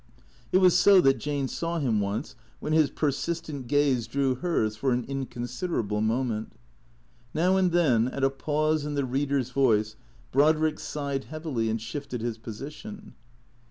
It was so that Jane saw him, once, when his persistent gaze drew hers for an inconsiderable moment. Now and then, at a pause in the reader's voice, Brodrick sighed heavily and shifted his position.